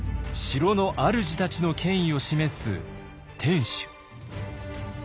城のあるじたちの権威を示す天守。